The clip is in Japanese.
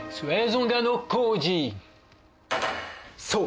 そう！